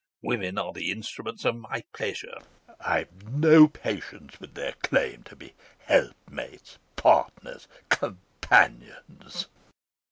Women are the instruments of my pleasure; I have no patience with their claim to be helpmates, partners, companions."